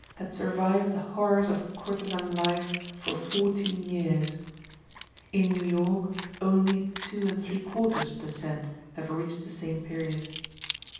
had survived the horrors of courtesan life for fourteen years; in New York, only 2 3/4 per cent. have reached the same period.